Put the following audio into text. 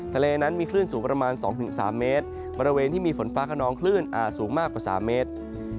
ทะเลนั้นมีคลื่นสูงประมาณ๒๓เมตรบริเวณที่มีฝนฟ้าขนองคลื่นอาจสูงมากกว่า๓เมตร